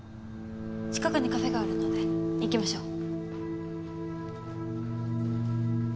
近くにカフェがあるので行きましょう。